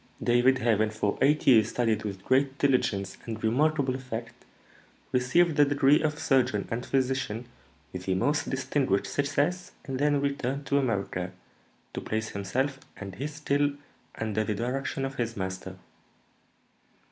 David, having for eight years studied with great diligence and remarkable effect, received the degree of surgeon and physician with the most distinguished success, and then returned to America to place himself and his skill under the direction of his master."